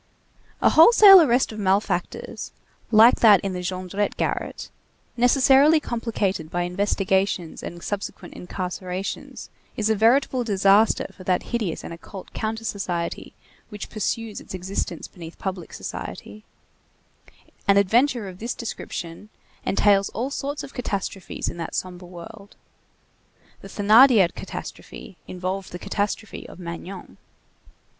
A wholesale arrest of malefactors, like that in the Jondrette garret, necessarily complicated by investigations and subsequent incarcerations, is a veritable disaster for that hideous and occult counter society which pursues its existence beneath public society; an adventure of this description entails all sorts of catastrophes in that sombre world. The Thénardier catastrophe involved the catastrophe of Magnon.